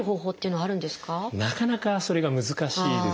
なかなかそれが難しいです。